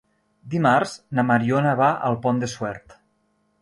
Dimarts na Mariona va al Pont de Suert.